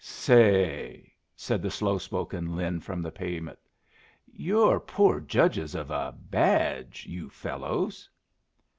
"Say," said the slow spoken Lin from the pavement, "you're poor judges of a badge, you fellows."